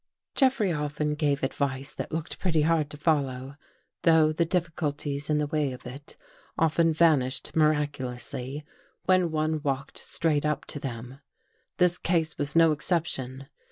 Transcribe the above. Jeffrey often gave advice that looked pretty hard to follow, though the difficulties in the way of it often vanished miraculously when one walked straight up to them. This case was no exception.